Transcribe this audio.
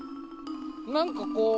何かこう。